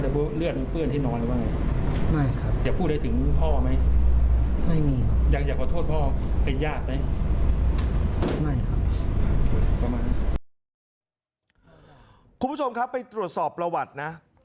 คุณผู้ชมครับไปตรวจสอบประวัตินะ